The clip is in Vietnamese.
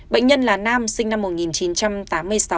bệnh nhân là nam sinh năm một nghìn chín trăm tám mươi sáu